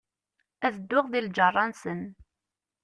Ad dduɣ di lğerra-nsen.